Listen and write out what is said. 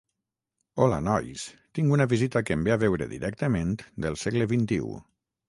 Hola nois, tinc una visita que em ve a veure directament del segle vint-i-ú.